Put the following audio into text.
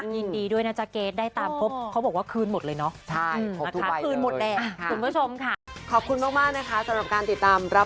ยินดีด้วยนะจ๊ะเกรทได้ตามพบเขาบอกว่าคืนหมดเลยเนาะ